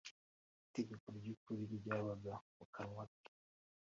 Itegeko ry’ukuri ryabaga mu kanwa ke